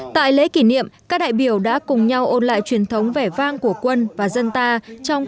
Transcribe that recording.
tại lễ kỷ niệm các đại biểu đã cùng nhau ôn lại truyền thống vẻ vang của quân và dân ta trong các cuộc đại biểu